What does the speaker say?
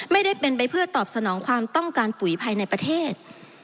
ไม่ได้เป็นไปเพื่อตอบสนองความต้องการปุ๋ยภายในประเทศ